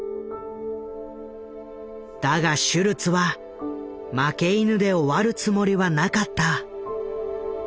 だがシュルツは負け犬で終わるつもりはなかった。